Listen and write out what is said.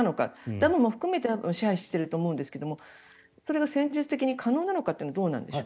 ダムも含めて支配していると思うんですがそれが戦術的に可能なのかもどうなんでしょう。